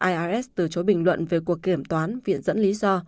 ios từ chối bình luận về cuộc kiểm toán viện dẫn lý do